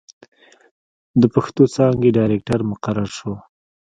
َد پښتو څانګې ډائرکټر مقرر شو